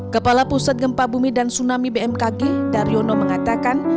kepala pusat gempa bumi dan tsunami bmkg daryono mengatakan